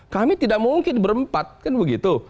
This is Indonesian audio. kami tidak mungkin berempat kan begitu